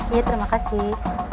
iya terima kasih